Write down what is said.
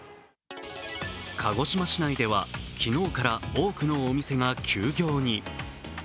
鹿児島市内では昨日から多くのお店が休業に。